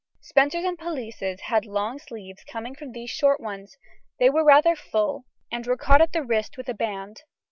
Spencers and pelisses had long sleeves coming from these short ones; they were rather full, and were caught at the wrist with a band.